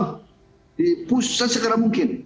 di pusat segera mungkin